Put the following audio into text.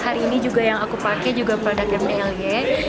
hari ini yang aku pakai juga produk mdlj